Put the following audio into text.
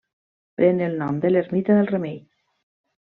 Pren el nom de l'ermita del Remei.